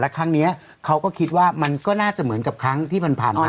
ครั้งนี้เขาก็คิดว่ามันก็น่าจะเหมือนกับครั้งที่ผ่านมา